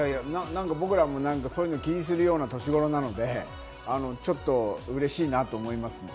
僕らも、そういうのを気にする年頃なので、ちょっと嬉しいなと思います。